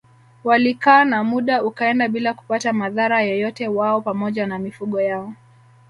Walikaa na muda ukaenda bila kupata madhara yoyote wao pamoja na mifugo yao